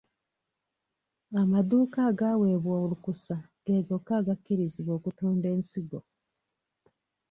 Amadduuka agaaweebwa olukusa ge gokka agakkirizibwa okutunda ensigo.